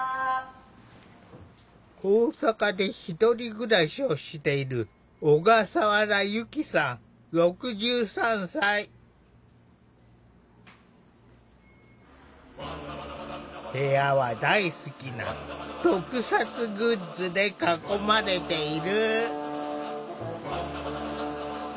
大阪で１人暮らしをしている部屋は大好きな特撮グッズで囲まれている。